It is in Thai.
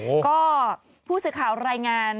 โอ้โหก็ผู้สื่อข่าวรายงาน